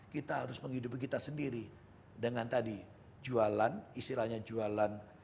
kita harus menghidupi kita sendiri dengan tadi jualan istilahnya jualan